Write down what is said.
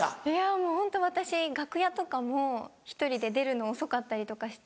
もうホント私楽屋とかも１人で出るの遅かったりとかして。